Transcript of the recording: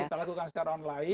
kita lakukan secara online